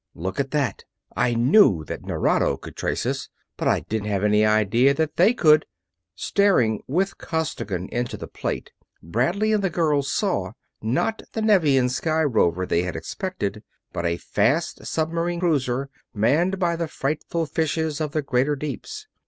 "Look at that! I knew that Nerado could trace us, but I didn't have any idea that they could!" Staring with Costigan into the plate, Bradley and the girl saw, not the Nevian sky rover they had expected, but a fast submarine cruiser, manned by the frightful fishes of the greater deeps.